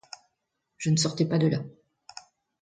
Je ne sortais pas de là.